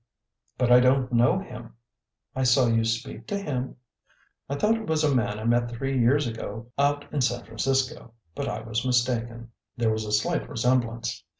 "But I don't know him." "I saw you speak to him." "I thought it was a man I met three years ago out in San Francisco, but I was mistaken. There was a slight resemblance.